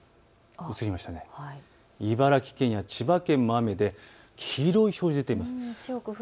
茨城県や千葉県も雨で黄色い表示が出ています。